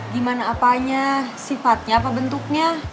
gimana apanya sifatnya apa bentuknya